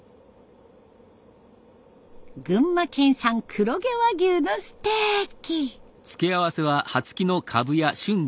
群馬県産黒毛和牛のステーキ。